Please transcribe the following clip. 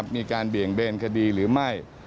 มีการเบี่ยงเบนคดีหรือไม่